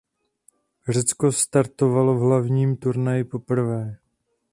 Řecko startovalo v hlavním turnaji poprvé.